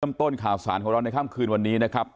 ต้นข่าวสารของเราในค่ำคืนวันนี้นะครับ